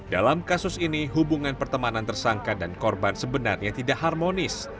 dalam kasus ini hubungan pertemanan tersangka dan korban sebenarnya tidak harmonis